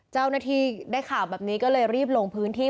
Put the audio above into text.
เจ้าหน้าที่ได้ข่าวแบบนี้ก็เลยรีบลงพื้นที่